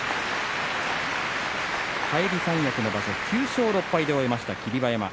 返り三役の場所を９勝６敗で終えました、霧馬山。